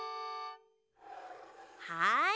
はい。